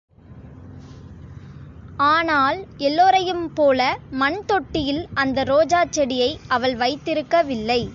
ஆணால், எல்லோரையும் போல மண் தொட்டியில் அந்த ரோஜாச் செடியை அவள் வைத்திருக்கவில்லை.